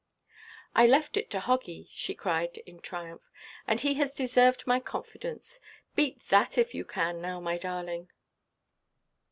"I left it to Hoggy," she cried in triumph, "and he has deserved my confidence. Beat that if you can now, my darling."